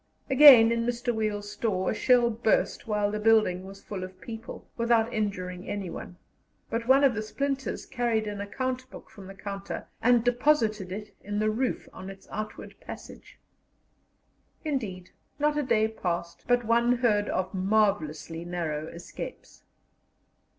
Again, in Mr. Wiel's store a shell burst while the building was full of people, without injuring anyone; but one of the splinters carried an account book from the counter and deposited it in the roof on its outward passage. Indeed, not a day passed but one heard of marvellously narrow escapes.